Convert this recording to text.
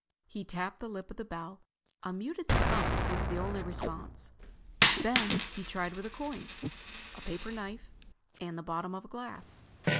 He tapped the lip of the bell. A muted thunk was the only response. Then he tried with a coin, a paper knife, and the bottom of a glass.